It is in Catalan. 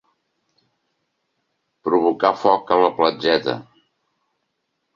Provocar foc a la platgeta.